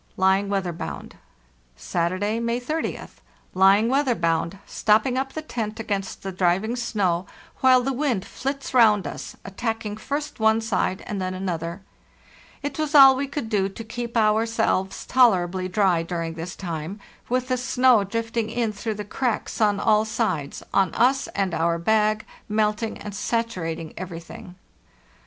Lying weather bound. "Saturday, May 30th. Lying weather bound, stop ping up the tent against the driving snow while the wind flits round us, attacking first one side and then another." It was all we could do to keep ourselves tolerably dry during this time, with the snow drifting in through the cracks on all sides, on us and our bag, melting and sat urating everything.